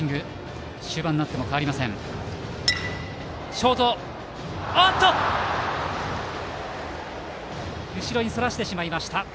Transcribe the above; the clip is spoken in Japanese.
ショートが後ろにそらしてしまいました。